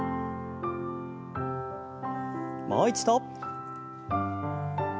もう一度。